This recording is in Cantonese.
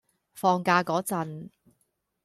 放假嗰陣